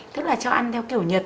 tức là cho ăn theo kiểu nhật